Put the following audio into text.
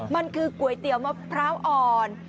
มันคือก๋วยเตี๋ยวมะพร้าวอ่อน